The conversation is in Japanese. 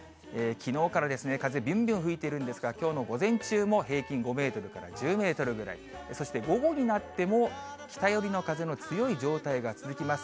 きのうから風びゅんびゅん吹いているんですが、きょうの午前中も平均５メートルから１０メートルぐらい、そして午後になっても、北よりの風の強い状態が続きます。